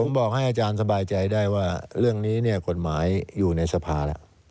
ผมบอกให้อาจารย์สบายใจได้ว่าเรื่องนี้เนี่ยกฎหมายอยู่ในสภาแล้ว